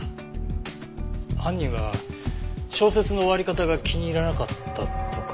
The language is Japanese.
犯人は小説の終わり方が気に入らなかったとか。